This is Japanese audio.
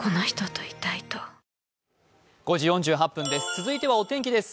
続いてはお天気です。